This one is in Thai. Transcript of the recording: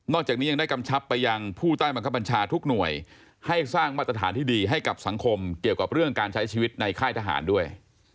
จากนี้ยังได้กำชับไปยังผู้ใต้บังคับบัญชาทุกหน่วยให้สร้างมาตรฐานที่ดีให้กับสังคมเกี่ยวกับเรื่องการใช้ชีวิตในค่ายทหารด้วย